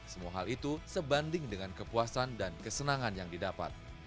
semua hal itu sebanding dengan kepuasan dan kesenangan yang didapat